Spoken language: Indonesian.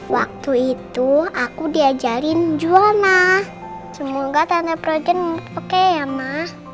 waktu itu aku diajarin jua ma semoga tante frozen oke ya ma